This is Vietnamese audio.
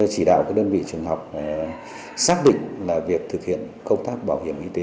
chỉ đạo các đơn vị trường học xác định là việc thực hiện công tác bảo hiểm y tế